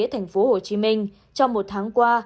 thành phố hồ chí minh trong một tháng qua